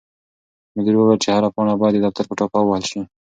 مدیر وویل چې هره پاڼه باید د دفتر په ټاپه ووهل شي.